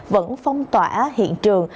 vẫn phong tỏa hiện trường